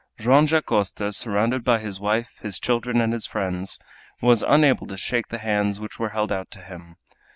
Joam Dacosta, surrounded by his wife, his children, and his friends, was unable to shake the hands which were held out to him.